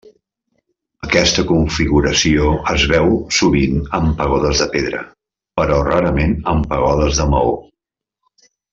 Aquesta configuració es veu sovint en pagodes de pedra, però rarament en pagodes de maó.